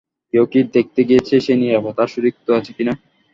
কেউ কি দেখতে গিয়েছে সে নিরাপদ আর সুরক্ষিত আছে কিনা?